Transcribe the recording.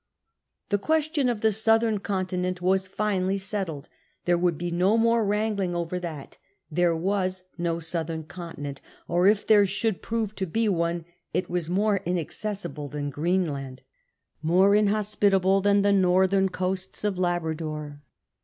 The question of the southern continent was finally settled. There would be no more wrangling over that ; there was no southern continent, or if there should prove to be one it was more inaccessible than Greenland, more inhospitable than the northern coasts of Labrador.